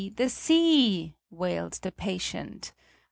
The sea!" wailed the patient.